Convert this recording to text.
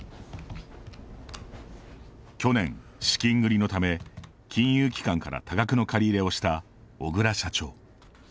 去年、資金繰りのため金融機関から多額の借り入れをした小椋社長。